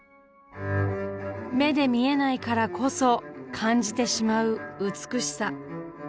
目で見えないからこそ感じてしまう美しさ。